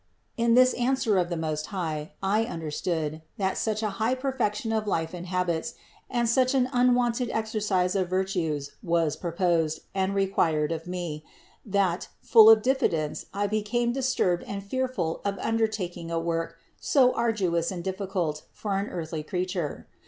2. In this answer of the Most High I understood, that such a high perfection of life and habits and such an unwonted exercise of virtues was proposed and required of me, that, full of diffidence, I became disturbed and fearful of undertaking a work so arduous and difficult for an earthly creature.